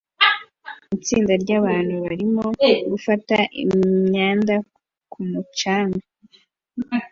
Itsinda ryabantu barimo gufata imyanda ku mucanga